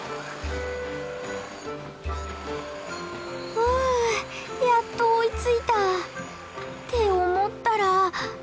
ふうやっと追いついた！って思ったら。